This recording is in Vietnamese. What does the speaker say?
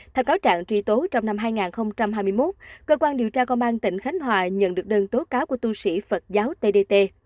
theo cáo trạng truy tố trong năm hai nghìn hai mươi một cơ quan điều tra công an tỉnh khánh hòa nhận được đơn tố cáo của tu sĩ phật giáo td